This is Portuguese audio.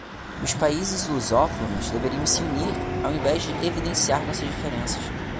Os países lusófonos deveriam se unir ao invés de evidenciar nossas diferenças